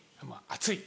「熱い」